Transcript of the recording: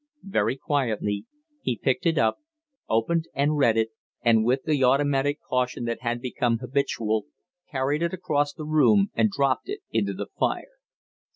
Very quietly he picked it up, opened and read it, and, with the automatic caution that had become habitual, carried it across the room and dropped it in the fire.